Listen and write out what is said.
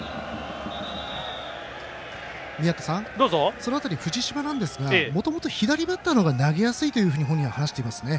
その辺り藤嶋ですがもともと左バッターの方が投げやすいというふうに本人話していますね。